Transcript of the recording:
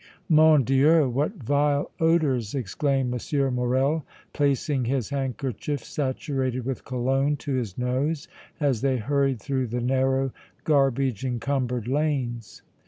"Mon Dieu! what vile odors!" exclaimed M. Morrel, placing his handkerchief saturated with cologne to his nose, as they hurried through the narrow, garbage encumbered lanes.